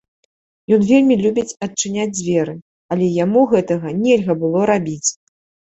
Ён вельмі любіць адчыняць дзверы, але яму гэтага нельга было рабіць.